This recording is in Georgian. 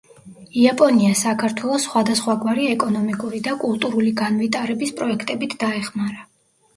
იაპონია საქართველოს სხვადასხვაგვარი ეკონომიკური და კულტურული განვიტარების პროექტებით დაეხმარა.